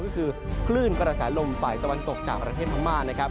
ก็คือคลื่นกระแสลมฝ่ายตะวันตกจากประเทศพม่านะครับ